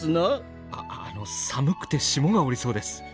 ああの寒くて霜が降りそうです。